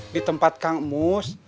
di tempat kang mus